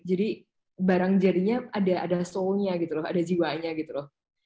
jadi barang jadinya ada soul nya gitu loh ada jiwanya gitu loh